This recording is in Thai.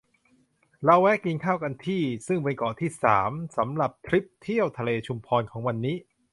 เราแวะกินข้าวกันที่ ซึ่งเป็นเกาะที่ สาม สำหรับทริปเที่ยวทะเลชุมพรของวันนี้